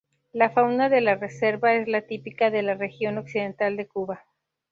La fauna de la reserva es la típica de la región occidental de Cuba.